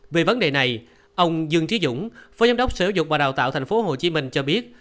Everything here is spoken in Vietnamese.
vì vấn đề này ông dương trí dũng phó giám đốc sở dục và đào tạo thành phố hồ chí minh cho biết